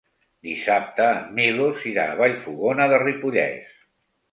Dissabte en Milos irà a Vallfogona de Ripollès.